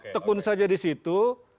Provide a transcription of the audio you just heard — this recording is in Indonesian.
tekun saja di situ